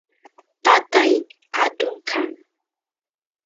tatay atun kan